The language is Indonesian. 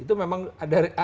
itu memang ada ini ya